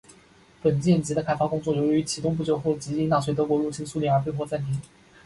本级舰的开发工作于启动不久后即因纳粹德国入侵苏联而被迫暂停。